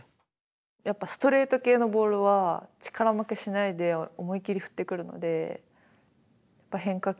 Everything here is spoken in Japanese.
やっぱりストレート系のボールは力負けしないで思い切り振ってくるので初球。